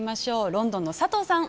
ロンドンの佐藤さん